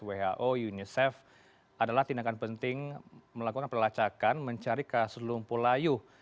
who unicef adalah tindakan penting melakukan pelacakan mencari kasus lumpuh layuh